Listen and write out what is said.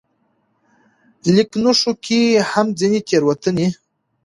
ليکنښو کې هم ځينې تېروتنې